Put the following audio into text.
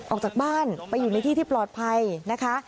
ออกจากบ้านไปอยู่ในที่ที่ปลอดภัยนะคะ